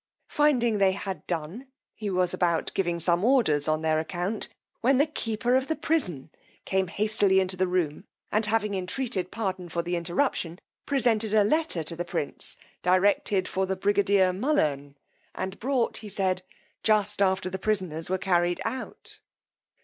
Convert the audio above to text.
Finding they had done, he was about giving some orders on their account, when the keeper of the prison came hastily into the room, and having entreated pardon for the interruption, presented a letter to the prince, directed for brigadier Mullern, and brought, he said, just after the prisoners were carried out.